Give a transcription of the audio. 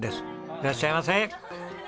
いらっしゃいませ。